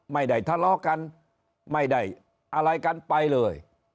ไม่ได้ทะเลาะกันไม่ได้อะไรกันไปเลย